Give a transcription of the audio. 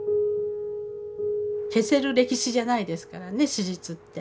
消せる歴史じゃないですからね史実って。